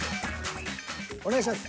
お願いします。